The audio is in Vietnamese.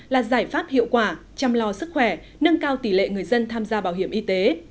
là giải pháp hiệu quả chăm lo sức khỏe nâng cao tỷ lệ người dân tham gia bảo hiểm y tế